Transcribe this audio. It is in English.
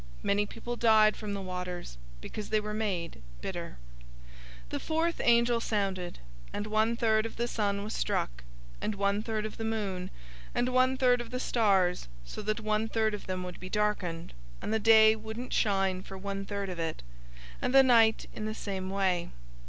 Many people died from the waters, because they were made bitter. 008:012 The fourth angel sounded, and one third of the sun was struck, and one third of the moon, and one third of the stars; so that one third of them would be darkened, and the day wouldn't shine for one third of it, and the night in the same way.